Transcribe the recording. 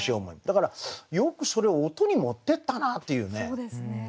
だからよくそれを音に持ってったなっていうね。